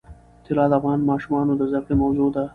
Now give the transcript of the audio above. طلا د افغان ماشومانو د زده کړې موضوع ده.